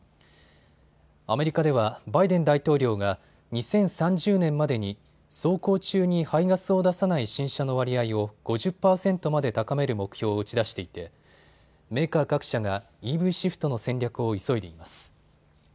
アメリカではバイデン大統領が２０３０年までに走行中に排ガスを出さない新車の割合を５０％まで高める目標を打ち出していてメーカー各社がＥＶシフトの戦略を急いでいます。